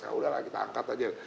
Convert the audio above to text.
ya udahlah kita angkat aja